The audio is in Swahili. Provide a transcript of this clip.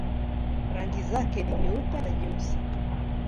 Rangi zake ni nyeupe na nyeusi.